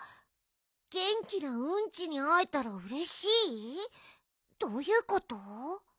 げんきなうんちにあえたらうれしい？どういうこと？